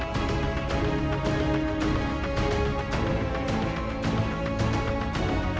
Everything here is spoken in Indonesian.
kalau kalian merasa tak kayakowing gitu dong